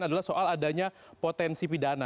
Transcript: adalah soal adanya potensi pidana